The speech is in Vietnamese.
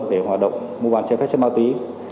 để hoạt động mô bán chai phép chai ma túy